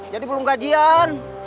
jadi belum gajian